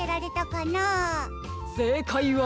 せいかいは。